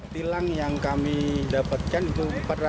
tilang yang kami dapatkan itu empat ratus enam puluh empat